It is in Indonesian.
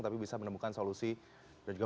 tapi bisa menemukan solusi dan juga